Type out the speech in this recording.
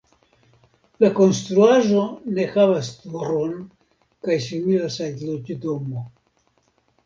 La konstruaĵo ne havas turon kaj similas al loĝdomo.